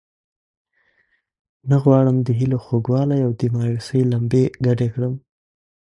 نه غواړم د هیلو خوږوالی او د مایوسۍ لمبې ګډې کړم.